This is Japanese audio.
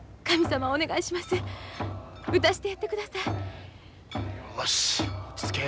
神様お願いします。